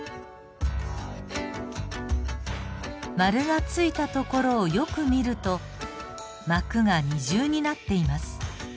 ○がついたところをよく見ると膜が二重になっています。